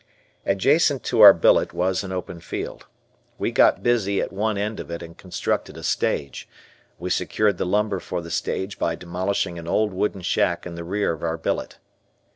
Adjacent to our billet was an open field. We got busy at one end of it and constructed a stage. We secured the lumber for the stage by demolishing an old wooden shack in the rear of our billet.